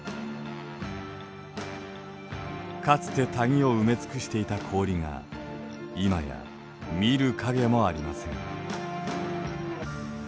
かつて谷を埋め尽くしていた氷が今や見る影もありません。